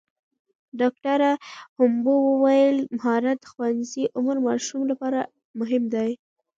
ډاکټره هومبو وویل مهارت د ښوونځي عمر ماشومانو لپاره مهم دی.